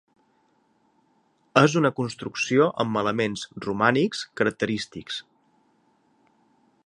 És una construcció amb elements romànics característics.